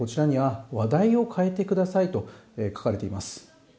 そしてこちらには「話題を変えてください」と書かれています。